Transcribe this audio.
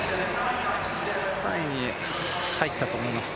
３位に入ったと思いますね。